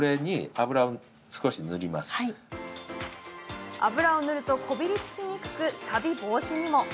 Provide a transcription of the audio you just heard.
油を塗ると、こびりつきにくくさび防止にも。